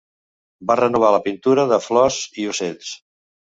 Va renovar la pintura de flors i ocells.